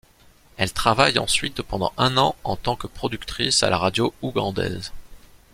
Elle travaille ensuite pendant un an en tant que productrice à la radio ougandaise.